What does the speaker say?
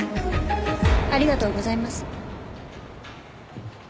ありがとうございます。